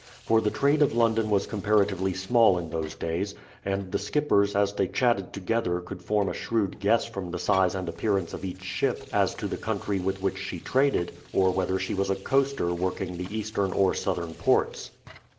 For the trade of London was comparatively small in those days, and the skippers as they chatted together could form a shrewd guess from the size and appearance of each ship as to the country with which she traded, or whether she was a coaster working the eastern or southern ports.